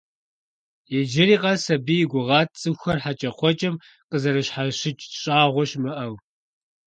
Иджыри къэс абы и гугъат цӀыхухэр хьэкӀэкхъуэкӀэм къазэрыщхьэщыкӀ щӀагъуэ щымыӀэу.